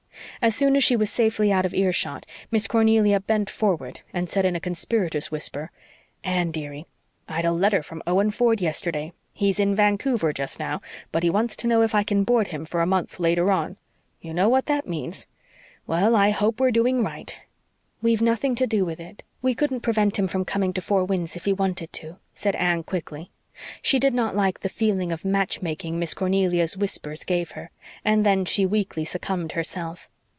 As soon as she was safely out of earshot, Miss Cornelia bent forward and said in a conspirator's whisper: "Anne, dearie, I'd a letter from Owen Ford yesterday. He's in Vancouver just now, but he wants to know if I can board him for a month later on. YOU know what that means. Well, I hope we're doing right." "We've nothing to do with it we couldn't prevent him from coming to Four Winds if he wanted to," said Anne quickly. She did not like the feeling of match making Miss Cornelia's whispers gave her; and then she weakly succumbed herself.